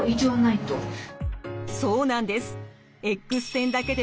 そうなんです。